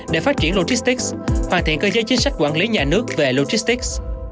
để phát triển logistics hoàn thiện cơ chế chính sách quản lý nhà nước về logistics